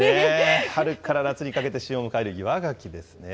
春から夏にかけて旬を迎える岩がきですね。